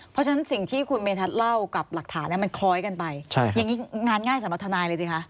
เพราะฉะนั้นสิ่งที่คุณเมธัศนเล่ากับหลักฐานมันคล้อยกันไปอย่างนี้งานง่ายสำหรับทนายเลยสิคะ